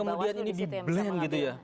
kalau kemudian ini di blend gitu ya